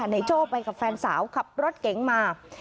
ในโชว์ไปกับแฟนสาวขับรถเก๋งมา